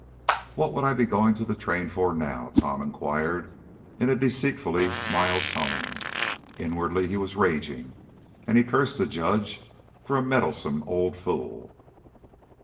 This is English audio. "What would I be going to the train for, now?" Tom inquired, in a deceitfully mild tone. Inwardly he was raging, and he cursed the judge for a meddlesome old fool.